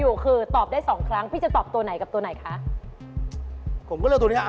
ูเพลล่ะพอวิเศษเนาะ